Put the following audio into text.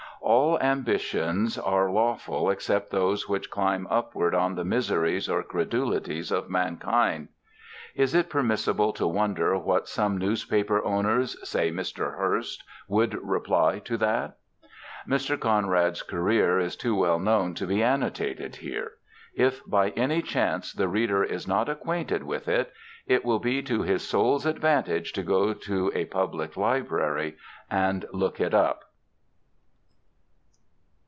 "All ambitions are lawful except those which climb upward on the miseries or credulities of mankind." Is it permissible to wonder what some newspaper owners say Mr. Hearst would reply to that? Mr. Conrad's career is too well known to be annotated here. If by any chance the reader is not acquainted with it, it will be to his soul's advantage to go to a public library and look it up.